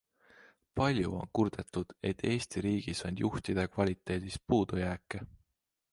Palju on kurdetud, et Eesti riigis on juhtide kvaliteedis puudujääke.